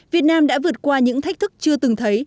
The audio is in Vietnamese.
việt nam đã vượt qua những thách thức chưa từng thấy